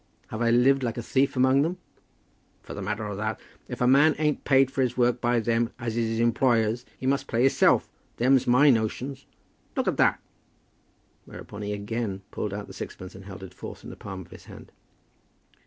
Have I lived like a thief among them?" "For the matter o' that, if a man ain't paid for his work by them as is his employers, he must pay hisself. Them's my notions. Look at that!" Whereupon he again pulled out the sixpence, and held it forth in the palm of his hand.